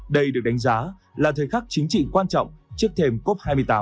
đây được đánh giá là thời khắc chính trị quan trọng trước thềm cop hai mươi tám